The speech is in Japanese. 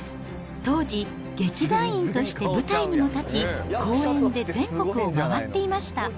当時、劇団員として舞台にも立ち、公演で全国を回っていました。